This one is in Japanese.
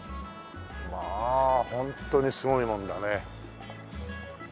まあホントにすごいもんだね。